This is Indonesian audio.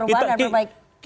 perubahan dan berbaik